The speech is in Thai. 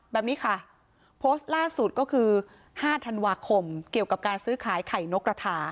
แบบนี้ค่ะโพสต์ล่าสุดก็คือ๕ธันวาคมเกี่ยวกับการซื้อขายไข่นกกระทา